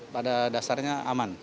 pada dasarnya aman